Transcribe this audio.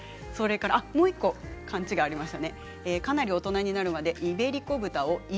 もう１個勘違いがありました。